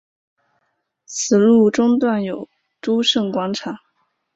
此路中段有诸圣广场。